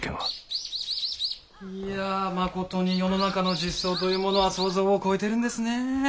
いや誠に世の中の実相というものは想像を超えてるんですね。